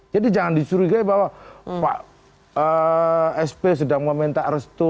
tapi jangan disuruh juga bahwa sp sedang meminta restu